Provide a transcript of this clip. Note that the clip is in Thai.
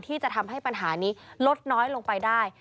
ที่จะทำให้ปัญหานี้ลดน้อยลงไปได้